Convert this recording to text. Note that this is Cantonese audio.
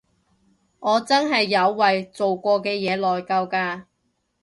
我真係有為做過嘅嘢內疚㗎